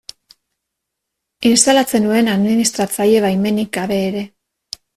Instalatzen nuen administratzaile baimenik gabe ere.